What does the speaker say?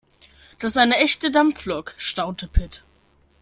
Das ist eine echte Dampflok, staunte Pit.